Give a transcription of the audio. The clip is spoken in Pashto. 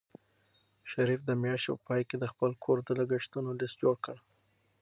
شریف د میاشتې په پای کې د خپل کور د لګښتونو لیست جوړ کړ.